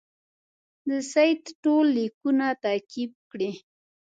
د سید ټول لیکونه تعقیب کړي.